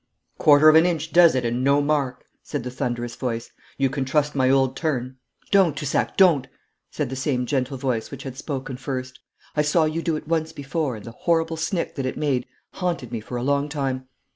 'Quarter of an inch does it and no mark,' said the thunderous voice. 'You can trust my old turn.' 'Don't, Toussac; don't!' said the same gentle voice which had spoken first. 'I saw you do it once before, and the horrible snick that it made haunted me for a long time.